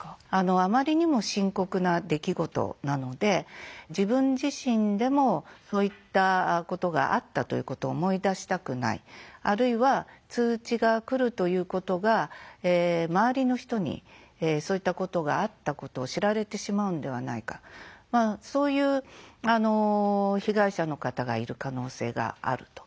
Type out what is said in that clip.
あまりにも深刻な出来事なので自分自身でもそういったことがあったということを思い出したくないあるいは通知が来るということが周りの人にそういったことがあったことを知られてしまうんではないかそういう被害者の方がいる可能性があると。